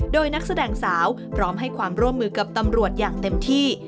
โดยนักแสดงสาวพร้อมให้ความร่วมมือกับตำรวจอย่างเต็มที่